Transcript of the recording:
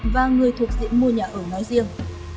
và người thuộc diện mua nhà ở nói riêng